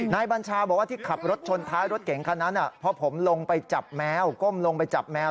นายบัญชาบอกว่าที่ขับรถชนท้ายรถเก่งขนาดนั้นพอผมลงไปจับแมว